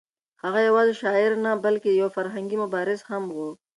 هغه یوازې شاعر نه بلکې یو فرهنګي مبارز هم و.